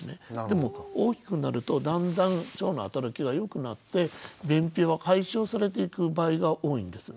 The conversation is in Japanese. でも大きくなるとだんだん腸の働きがよくなって便秘は解消されていく場合が多いんです。